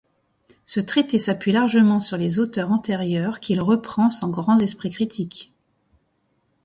Ce traité s'appuie largement sur les auteurs antérieurs, qu'il reprend sans grand esprit critique.